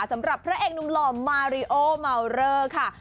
สำหรับพระเอกหนุ่มหล่อมาริโอเมาเลอร์ค่ะ